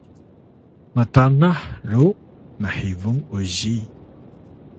mtanah ru mhibung uzi